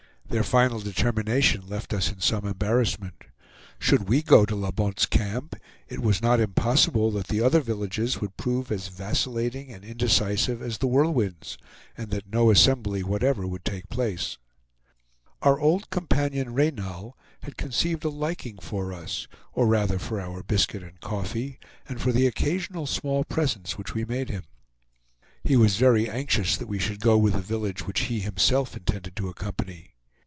Their final determination left us in some embarrassment. Should we go to La Bonte's Camp, it was not impossible that the other villages would prove as vacillating and indecisive as The Whirlwinds, and that no assembly whatever would take place. Our old companion Reynal had conceived a liking for us, or rather for our biscuit and coffee, and for the occasional small presents which we made him. He was very anxious that we should go with the village which he himself intended to accompany.